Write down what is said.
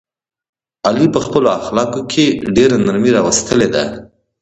علي په خپلو اخلاقو کې ډېره نرمي راوستلې ده.